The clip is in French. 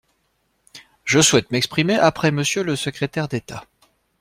Je souhaite m’exprimer après Monsieur le secrétaire d’État.